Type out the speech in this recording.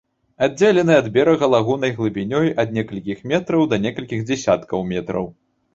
Аддзелены ад берага лагунай глыбінёй ад некалькіх метраў да некалькіх дзясяткаў метраў.